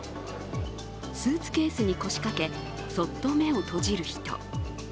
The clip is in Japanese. スーツケースに腰掛け、そっと目を閉じる人。